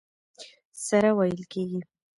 سره وېل کېږي.